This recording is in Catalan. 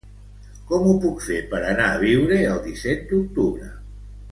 Com ho puc fer per anar a Biure el disset d'octubre?